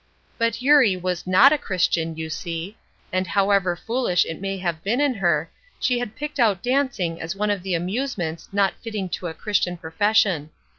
But Eurie was not a Christian, you see; and however foolish it may have been in her she had picked out dancing as one of the amusements not fitting to a Christian profession.